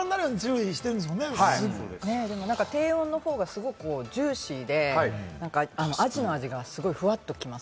低温のほうがすごくジューシーで、アジの味がすごくフワっときます。